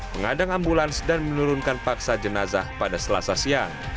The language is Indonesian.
mengadang ambulans dan menurunkan paksa jenazah pada selasa siang